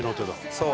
そう。